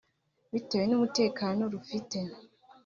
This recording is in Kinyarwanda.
bitewe n’umutekano rufite